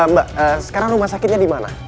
mbak sekarang rumah sakitnya di mana